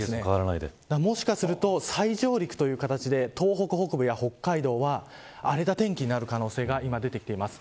もしかすると再上陸という形で東北北部や北海道は荒れた天気になる可能性が出てきています。